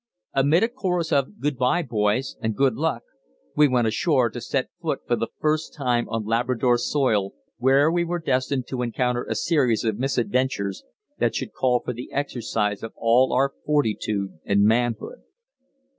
Amid a chorus of "Good bye, boys, and good luck!" we went ashore, to set foot for the first time on Labrador soil, where we were destined to encounter a series of misadventures that should call for the exercise of all our fortitude and manhood.